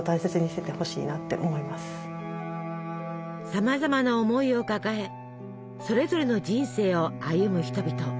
さまざまな思いを抱えそれぞれの人生を歩む人々。